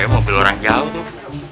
mobil orang jauh tuh